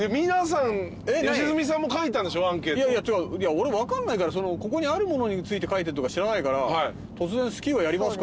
俺分かんないからここにあるものについて書いてとか知らないから突然「スキーはやりますか？」